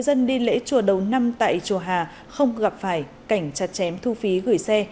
cảnh chặt chém thu phí gửi xe